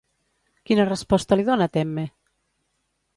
Quina resposta li dona Temme?